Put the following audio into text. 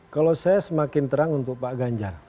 kalau saya semakin terang untuk pak ganjar